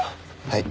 はい。